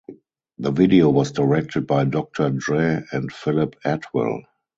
The video was directed by Doctor Dre and Philip Atwell.